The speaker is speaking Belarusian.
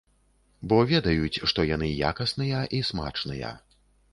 Бо ведаюць, што яны якасныя і смачныя.